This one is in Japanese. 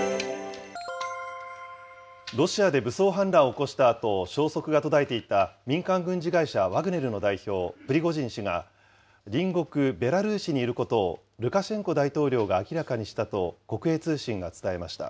ロシアで武装反乱を起こしたあと、消息が途絶えていた民間軍事会社、ワグネルの代表、プリゴジン氏が隣国ベラルーシにいることを、ルカシェンコ大統領が明らかにしたと、国営通信が伝えました。